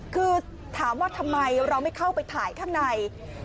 คือถามว่าทำไมเราไม่เข้าไปถ่ายข้างใน